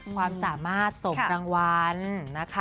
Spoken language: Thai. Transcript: ความสามารถสมรางวัลนะคะ